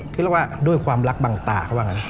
คือเรียกว่าด้วยความรักบังตาเขาว่างั้น